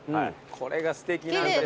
これがすてきなんですよ。